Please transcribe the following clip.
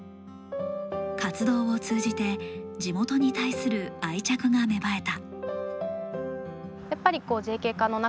活動を通じて地元に対する愛着が芽生えた。